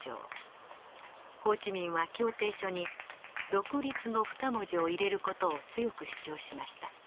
ホー・チ・ミンは協定書に独立の２文字を入れる事を強く主張しました。